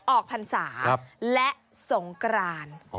ออกภัณฑ์ศาสตร์และทรงกราญ